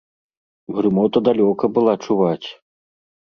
Грымота далёка была чуваць!